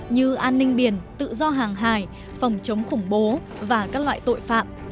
như an ninh biển tự do hàng hải phòng chống khủng bố và các loại tội phạm